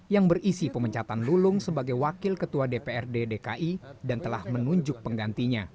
yang berisi pemecatan lulung sebagai wakil ketua dprd dki dan telah menunjuk penggantinya